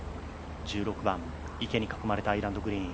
１６番、池に囲まれたアイランドグリーン。